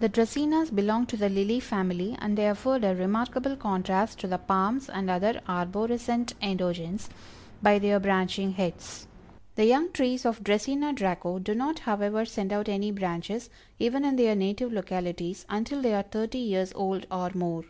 The Dracænas belong to the Lily family, and they afford a remarkable contrast to the palms and other arborescent endogens, by their branching heads. The young trees of Dracæna Draco do not, however, send out any branches, even in their native localities, until they are thirty years old or more.